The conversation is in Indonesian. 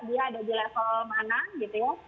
dia ada di level mana gitu ya